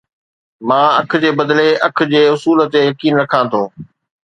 مان اک جي بدلي اک جي اصول تي يقين رکان ٿو